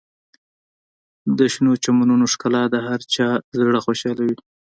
د شنو چمنونو ښکلا د هر چا زړه خوشحالوي.